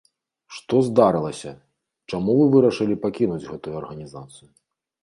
Што здарылася, чаму вы вырашылі пакінуць гэтую арганізацыю?